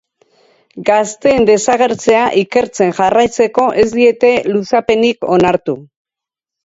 Gazteen desagertzea ikertzen jarraitzeko ez diete luzapenik onartu.